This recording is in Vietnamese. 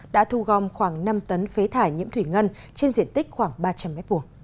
đã thu gom khoảng năm tấn phế thải nhiễm thủy ngân trên diện tích khoảng ba trăm linh m hai